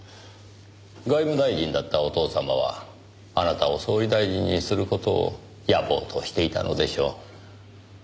外務大臣だったお父様はあなたを総理大臣にする事を野望としていたのでしょう。